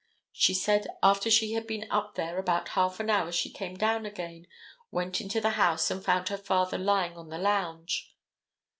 She said after she had been up there about half an hour she came down again, went into the house and found her father lying on the lounge."